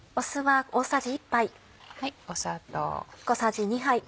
砂糖。